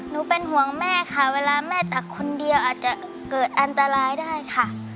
หนูเป็นห่วงแม่ค่ะเวลาแม่ตักคนเดียวอาจจะเกิดอันตรายได้ค่ะ